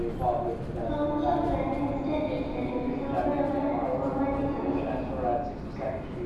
Thomas of Lancaster is an example of an overmighty subject.